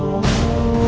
yang lebih baik adalah